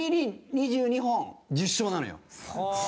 ２２本１０勝なのよ。